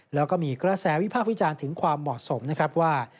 แล้วก็มีกระแสวิพากษ์วิจารณ์ถึงความเหมาะสมนะครับว่า